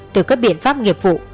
từ các biện pháp nghiệp vụ